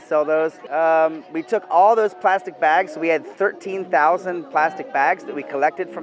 cho căn hộ xếp và gần bỏ rác vô cơ